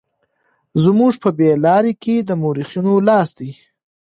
زموږ په بې لارۍ کې د مورخينو لاس دی.